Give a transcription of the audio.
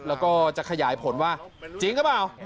แล้วก็จะขยายผลว่าจริงหรือเปล่า